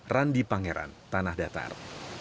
randi pangeran tanah datar